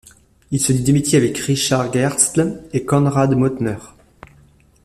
Il se lie d'amitié avec Richard Gerstl et Konrad Mautner.